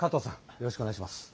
よろしくお願いします。